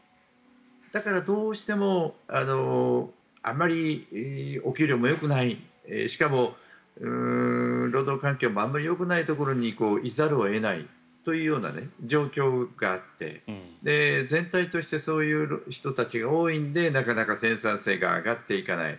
だから、どうしてもあまりお給料もよくないしかも、労働環境もあまりよくないところにいざるを得ないというような状況があって全体としてそういう人たちが多いのでなかなか生産性が上がっていかない。